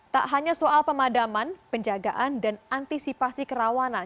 tak hanya soal pemadaman penjagaan dan antisipasi kerawanan